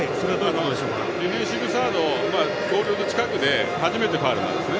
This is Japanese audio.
ディフェンシブサードゴールの近くで初めてファウルなんですね。